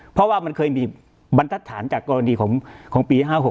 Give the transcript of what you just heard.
เพราะว่ามันเคยมีบรรทัศนจากกรณีของปี๕๖